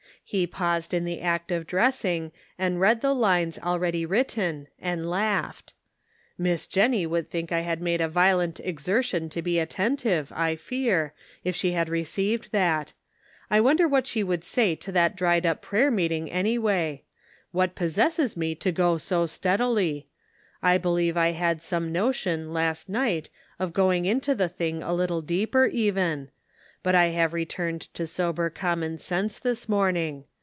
He paused in the act of dressing, and read the lines already written, and laughed. "Miss Jennie would think I had made a violent exertion to be attentive, I fear, if she had received that. I wonder what she would say to that dried up prayer meeting, anyway? What possesses me to go so steadily ? I believe I had some no tion, last night, of going into the thing a little deeper even ; but I have returned to sober common sense this morning.